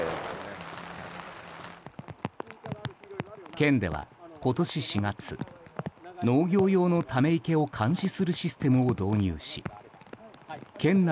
県では、今年４月農業用のため池を監視するシステムを導入し県内